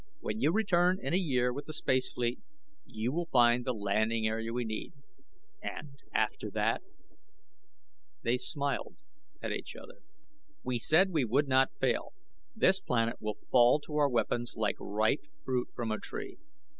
When you return in a year with the space fleet you will find the landing area we need." "And after that ..." They smiled at each other. "We said we would not fail. This planet will fall to our weapons like ripe fruit from a tree."